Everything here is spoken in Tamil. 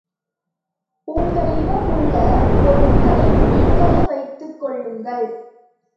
உங்களிடம் உள்ள பொருள்களை நீங்களே வைத்துக் கொள்ளுங்கள்.